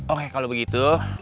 oke kalau begitu